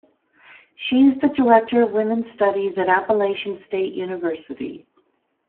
She is the director of Women's Studies at Appalachian State University.